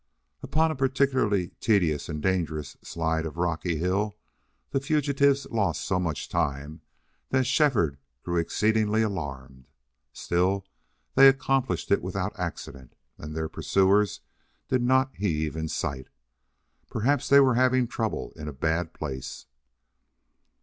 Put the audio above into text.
Upon a particularly tedious and dangerous side of rocky hill the fugitives lost so much time that Shefford grew exceedingly alarmed. Still, they accomplished it without accident, and their pursuers did not heave in sight. Perhaps they were having trouble in a bad place.